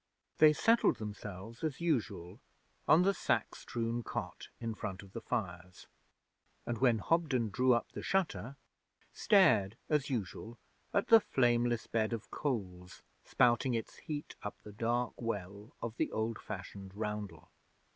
They settled themselves, as usual, on the sack strewn cot in front of the fires, and, when Hobden drew up the shutter, stared, as usual, at the flameless bed of coals spouting its heat up the dark well of the old fashioned roundel.